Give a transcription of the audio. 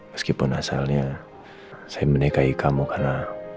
meskipun asalnya saya menikahi kamu karena